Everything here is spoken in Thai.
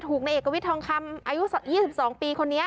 ในเอกวิทยทองคำอายุ๒๒ปีคนนี้